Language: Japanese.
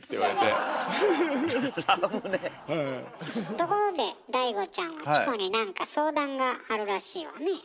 ところでチコに何か相談があるらしいわね。